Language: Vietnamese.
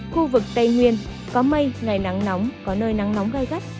khu vực tây nguyên có mây ngày nắng nóng có nơi nắng nóng gai gắt